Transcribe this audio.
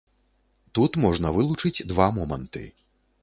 Тут можна вылучыць два моманты.